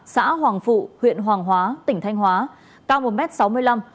sinh năm một nghìn chín trăm bảy mươi ba